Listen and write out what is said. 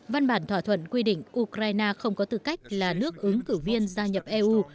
văn bản thỏa thuận quy định ukraine không có tư cách là nước ứng cử viên gia nhập eu